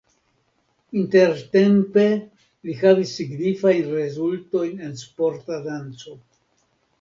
Interrtempe li havis signifajn rezultojn en sporta danco.